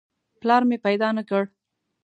پلار مې پیدا نه کړ.